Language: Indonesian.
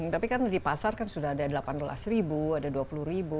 tapi kan di pasar kan sudah ada rp delapan belas ada rp dua puluh